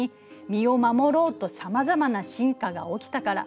身を守ろうとさまざまな進化が起きたから。